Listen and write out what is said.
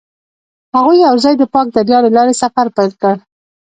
هغوی یوځای د پاک دریا له لارې سفر پیل کړ.